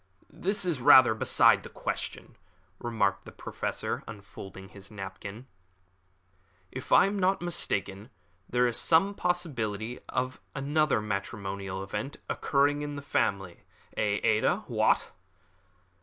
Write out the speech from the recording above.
"This is rather beside the question," remarked the Professor, folding up his napkin. "If I am not mistaken, there is some possibility of another matrimonial event occurring in the family. Eh, Ada? What!"